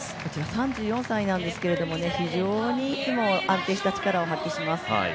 ３４歳なんですけれども非常にいつも安定した力を発揮します。